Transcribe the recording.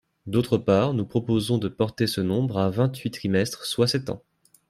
D’autre part, nous proposons de porter ce nombre à vingt-huit trimestres, soit sept ans.